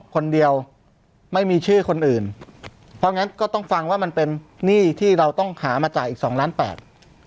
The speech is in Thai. คนเดียวไม่มีชื่อคนอื่นเพราะงั้นก็ต้องฟังว่ามันเป็นหนี้ที่เราต้องหามาจ่ายอีกสองล้านแปด